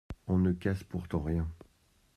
On ne casse pourtant rien…